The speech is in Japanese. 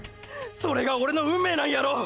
それがオレの運命なんやろ！！